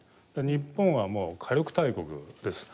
日本はもう火力大国です。